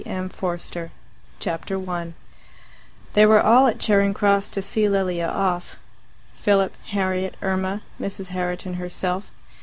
M. Forster Chapter 1 They were all at Charing Cross to see Lilia off Philip, Harriet, Irma, Mrs. Herriton herself.